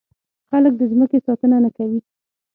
خلک د ځمکې ساتنه نه کوي.